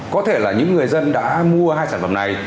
có thể là những người dân đã mua hai sản phẩm này